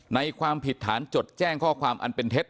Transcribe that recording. ความผิดฐานจดแจ้งข้อความอันเป็นเท็จ